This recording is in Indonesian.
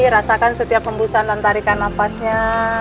rasakan setiap hembusan dan tarikan nafasnya